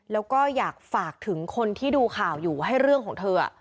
แล้วก็อยากฝากถึงคนที่ดูข่าวอยู่ให้เรื่องของเธอ